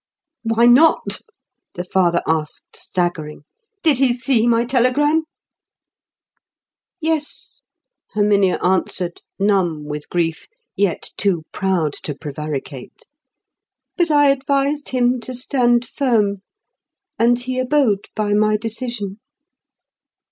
"Why not?" the father asked, staggering. "Did he see my telegram?" "Yes," Herminia answered, numb with grief, yet too proud to prevaricate. "But I advised him to stand firm; and he abode by my decision."